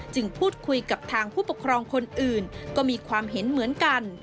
พูดคุยกับทางผู้ปกครองคนอื่นก็มีความเห็นเหมือนกัน